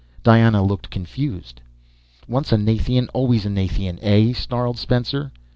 Diana looked confused. "Once a Nathian, always a Nathian, eh?" snarled Spencer.